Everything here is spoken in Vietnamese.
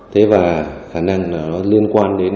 thế và khả năng nó liên quan đến